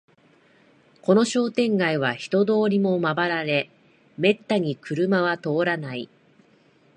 この商店街は人通りもまばらで、めったに車は通らない